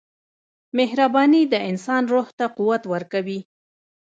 • مهرباني د انسان روح ته قوت ورکوي.